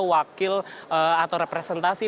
wakil atau representasi